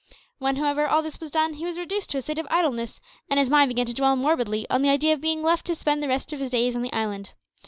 When, however, all this was done, he was reduced to a state of idleness, and his mind began to dwell morbidly on the idea of being left to spend the rest of his days on the island.